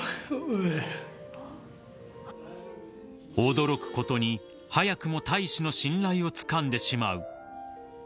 ［驚くことに早くも大使の信頼をつかんでしまう］